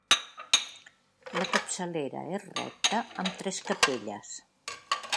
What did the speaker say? La capçalera és recta amb tres capelles.